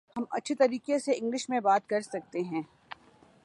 ہم اچھے طریقے سے انگلش میں بات کر سکتے ہیں